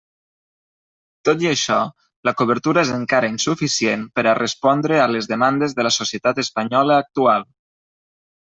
Tot i això la cobertura és encara insuficient per a respondre a les demandes de la societat espanyola actual.